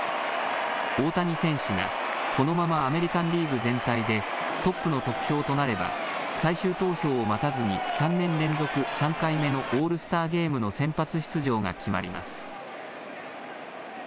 大谷選手がこのままアメリカンリーグ全体でトップの得票となれば最終投票を待たずに３年連続、３回目のオールスターゲームの先発出場が決まります。